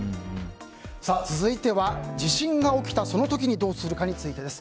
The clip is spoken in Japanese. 続いては、地震が起きたその時にどうするかについてです。